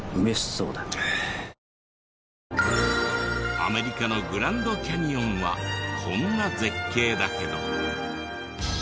アメリカのグランドキャニオンはこんな絶景だけど。